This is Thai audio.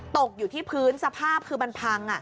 ตกอยู่ที่พื้นสภาพคือมันพัง